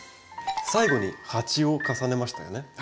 最後に鉢を重ねましたよね。